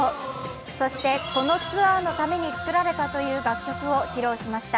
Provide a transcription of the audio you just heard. そして、このツアーのために作られたという楽曲を披露しました。